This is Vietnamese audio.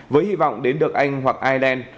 với hy vọng đến được anh hoặc ireland